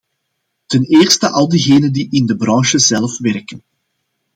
Ten eerste al diegenen die in de branche zelf werken.